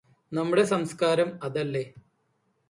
നമ്മുടെ സംസ്ക്കാരം അതല്ലേ